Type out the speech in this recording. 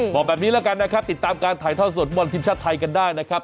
บอกแบบนี้แล้วกันนะครับติดตามการถ่ายทอดสดฟุตบอลทีมชาติไทยกันได้นะครับ